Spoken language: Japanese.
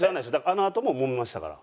あのあとももめましたから。